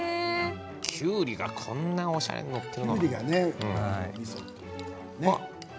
きゅうりがこんなにおしゃれになっている。